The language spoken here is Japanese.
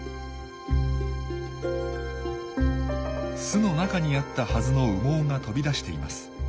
巣の中にあったはずの羽毛が飛び出しています。